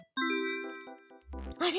あれ？